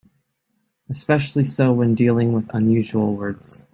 Especially so when dealing with unusual words.